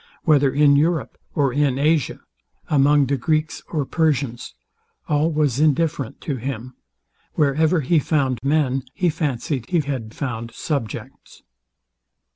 Whether in Europe or in Asia, among Greeks or Persians, all was indifferent to him: Wherever he found men, he fancied he found subjects."